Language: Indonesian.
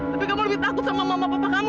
tapi kamu lebih takut sama mama papa kamu